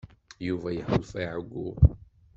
Yuba iḥulfa i uɛeyyu.